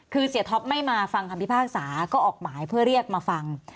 คือเสียท็อปไม่มาฟังคำพิพากษาก็ออกหมายเพื่อเรียกมาฟัง